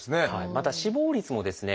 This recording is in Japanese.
また死亡率もですね